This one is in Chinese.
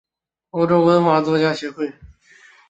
欧洲华文作家协会。